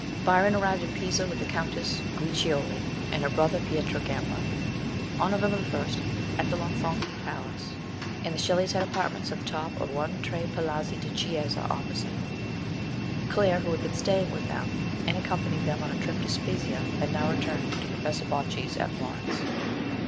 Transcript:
Byron arrived in Pisa with the Countess Guiccioli and her brother Pietro Gamba, on November the 1st, at the Lanfranchi Palace, and the Shelley s had apartments at the top of I Tre Palazzi di Chiesa, opposite. Claire, who had been staying with them, and accompanied them on a trip to Spez/ia, had now returned to Professor Bojti's at Florence.